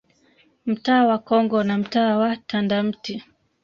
Mtaa wa Congo na mtaa wa Tandamti